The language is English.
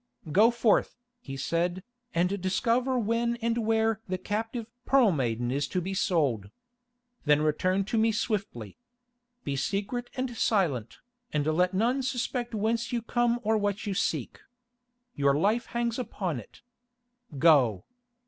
"Go forth," he said, "and discover when and where the captive Pearl Maiden is to be sold. Then return to me swiftly. Be secret and silent, and let none suspect whence you come or what you seek. Your life hangs upon it. Go."